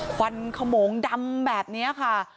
ควันขโมงดำแบบนี้ค่ะ